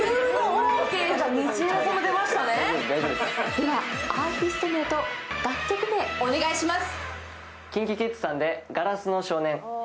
では、アーティスト名と楽曲名お願いします。